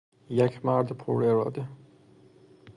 یک مرد پراراده